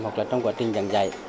hoặc là trong quá trình giảng dạy